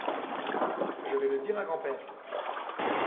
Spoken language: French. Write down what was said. Je vais le dire à grand-père.